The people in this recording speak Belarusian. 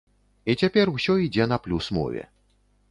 І цяпер усё ідзе на плюс мове.